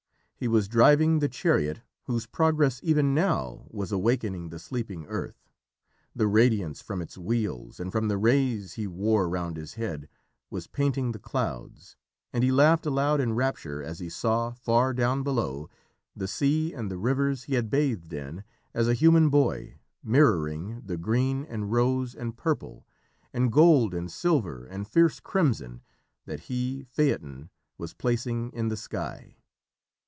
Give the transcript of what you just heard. He was driving the chariot whose progress even now was awaking the sleeping earth. The radiance from its wheels and from the rays he wore round his head was painting the clouds, and he laughed aloud in rapture as he saw, far down below, the sea and the rivers he had bathed in as a human boy, mirroring the green and rose and purple, and gold and silver, and fierce crimson, that he, Phaeton, was placing in the sky.